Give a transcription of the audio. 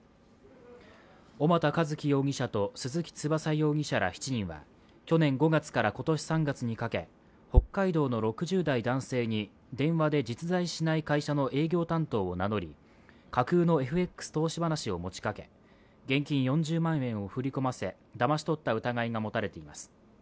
小俣一毅容疑者と鈴木翼容疑者ら７人は去年５月から今年３月にかけ北海道の６０代男性に電話で実在しない会社の営業担当を名乗り架空のＦＸ投資話を持ちかけ、現金４０万円を振り込ませだまし取った疑いが持たれています。